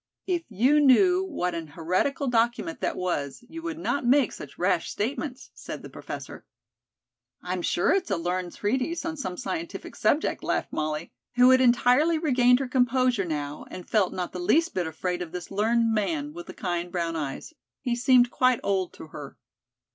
"If you knew what an heretical document that was, you would not make such rash statements," said the professor. "I'm sure it's a learned treatise on some scientific subject," laughed Molly, who had entirely regained her composure now, and felt not the least bit afraid of this learned man, with the kind, brown eyes. He seemed quite old to her.